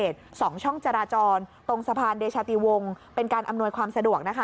ช่องจราจรตรงสะพานเดชาติวงเป็นการอำนวยความสะดวกนะคะ